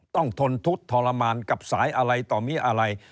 ทนทุกข์ทรมานกับสายอะไรต่อมีอะไร